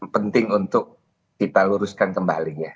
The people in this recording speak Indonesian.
penting untuk kita luruskan kembali ya